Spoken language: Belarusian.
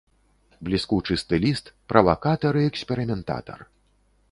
Бліскучы стыліст, правакатар і эксперыментатар.